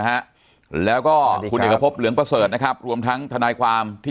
ฮะแล้วก็คุณเอกพบเหลืองประเสริฐนะครับรวมทั้งทนายความที่